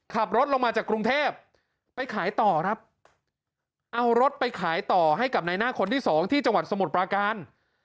ขับรถลงมาจากกรุงเทพไปขายต่อครับเอารถไปขายต่อให้กับในหน้าคนที่สองที่จังหวัดสมุทรปราการ